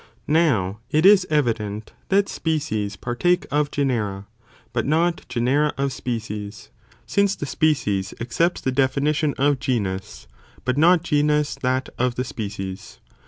Now it is evident that species partake of genera, but not genera of species, since the species accepts the definition of genus, but not genus that of the species.